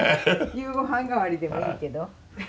夕ご飯代わりでもいいけど。